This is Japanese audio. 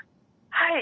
はい。